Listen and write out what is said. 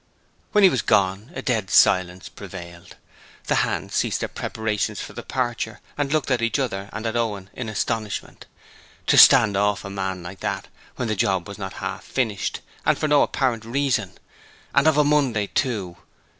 When he was gone a dead silence prevailed. The hands ceased their preparations for departure and looked at each other and at Owen in astonishment. To stand a man off like that when the job was not half finished and for no apparent reason: and of a Monday, too.